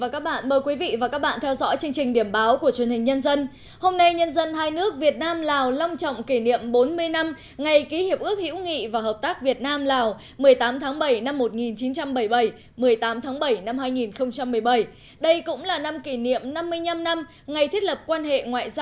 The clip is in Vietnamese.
các bạn hãy đăng ký kênh để ủng hộ kênh của chúng mình nhé